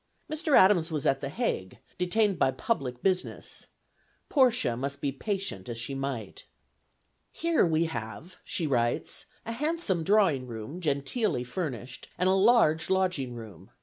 Mr. Adams was at the Hague, detained by public business; Portia must be patient as she might. "Here we have," she writes, "a handsome drawing room, genteelly furnished, and a large lodging room.